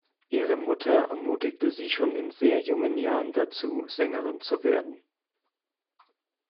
Ihre Mutter ermutigte sie schon in sehr jungen Jahren dazu, Sängerin zu werden.